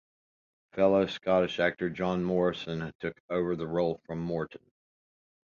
Fellow Scottish actor Jon Morrison took over the role from Morton.